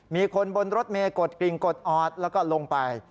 มีคนบนรถเมฆกดกริ่งกดออดแล้วก็ลงไป